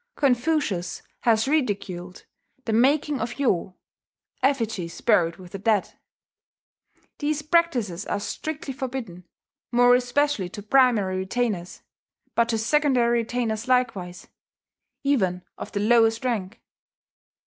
Confucius has ridiculed the making of Yo [effigies buried with the dead]. These practices are strictly forbidden, more especially to primary retainers, but to secondary retainers likewise, even of the lowest rank.